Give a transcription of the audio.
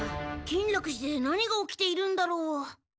金楽寺で何が起きているんだろう？